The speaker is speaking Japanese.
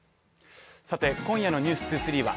今夜の「ｎｅｗｓ２３」は